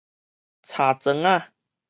柴磚仔